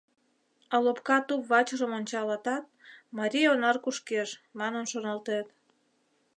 А лопка туп-вачыжым ончалатат, марий онар кушкеш, манын шоналтет.